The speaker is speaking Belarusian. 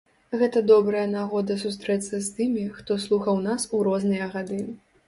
Гэта добрая нагода сустрэцца з тымі, хто слухаў нас у розныя гады.